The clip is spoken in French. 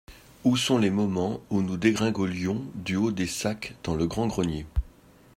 Où sont les moments où nous dégringolions du haut des sacs dans le grand grenier.